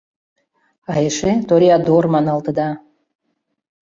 А эше тореадор маналтыда!